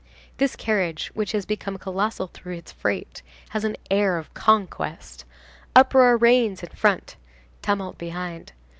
This carriage which has become colossal through its freight, has an air of conquest. Uproar reigns in front, tumult behind.